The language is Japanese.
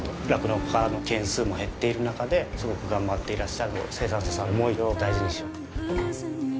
酪農家の軒数も減っている中ですごく頑張っていらっしゃる生産者さんの思いを大事にしよう。